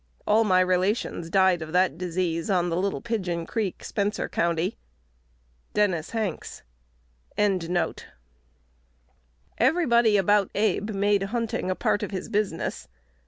All my relations died of that disease on Little Pigeon Creek, Spencer County." Dennis Hanks. Everybody about Abe made hunting a part of his business.